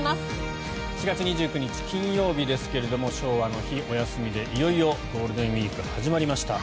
４月２９日、金曜日ですが昭和の日でお休みで、いよいよゴールデンウィークが始まりました。